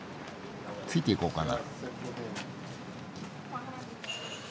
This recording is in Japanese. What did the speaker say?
ついていこうかな。